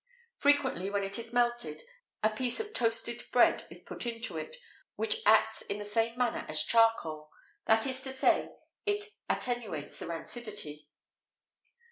Frequently, when it is melted, a piece of toasted bread is put into it, which acts in the same manner as charcoal; that is to say, it attenuates the rancidity.